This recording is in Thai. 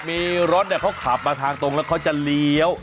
มีรถเขาขับมาทางตรงแล้วเขาจะเลี้ยว